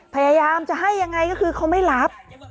พยายามจะให้ยังไงก็คือเขาไม่รับ